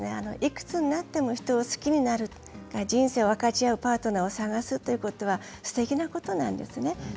いくつになっても人を好きになるという人生を分かち合うパートナーを探すということはすてきなことなんですね。